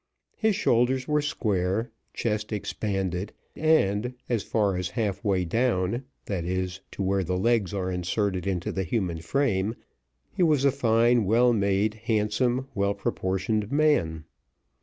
His shoulders were square, chest expanded, and, as far as half way down, that is, to where the legs are inserted into the human frame, he was a fine, well made, handsome, well proportioned man.